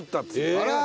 あら！